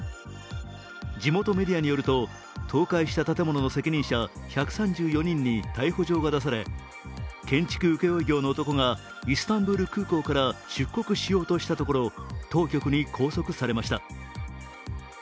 地元メディアによると、倒壊した建物の責任者１３４人に逮捕状が出され、建築請負業の男がイスタンブール空港から出国しようとしたところ当局に拘束されました。